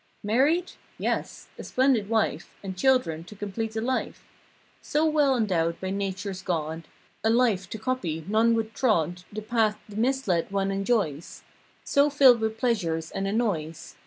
Married? Yes. A splendid wife And children to complete a life So well endowed by Nature's God. A life, to copy, none would trod The path the mis led one enjoys; So filled with pleasures and annoys.